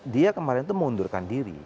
dia kemarin itu mengundurkan diri